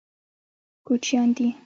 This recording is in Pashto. کوچیان دي.